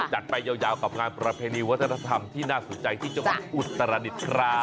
จัดไปยาวกับงานประเพณีวัฒนธรรมที่น่าสนใจที่จังหวัดอุตรดิษฐ์ครับ